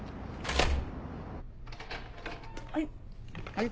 はい。